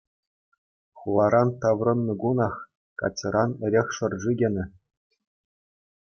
Хуларан таврӑннӑ кунах Катьӑран эрех шӑрши кӗнӗ.